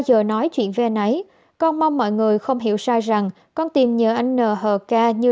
giờ nói chuyện với anh ấy con mong mọi người không hiểu sai rằng con tìm nhờ anh n h ca như